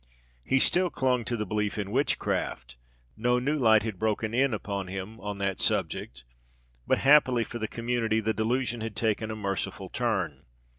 He still clung to the belief in witchcraft; no new light had broken in upon him on that subject, but, happily for the community, the delusion had taken a merciful turn.